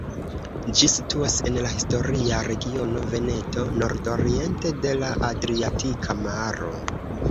Ĝi situas en la historia regiono Veneto, nordoriente de la Adriatika Maro.